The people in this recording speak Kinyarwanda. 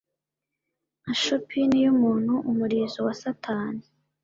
Nka choppin yumuntu 'umurizo wa satani,